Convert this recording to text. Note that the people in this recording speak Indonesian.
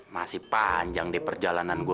masih panjang di perjalanan gue